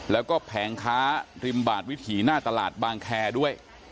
แล้วก็แผงค้าริมบาดวิถีหน้าตลาดบางแคร์ด้วย